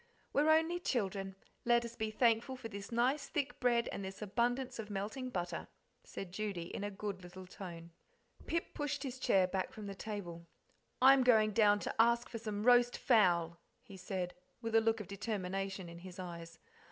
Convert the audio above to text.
"We're only children let us be thankful for this nice thick bread and this abundance of melting butter," said Judy, in a good little tone. Pip pushed his chair back from the table. "I'm going down to ask for some roast fowl," he said, with a look of determination in his eyes.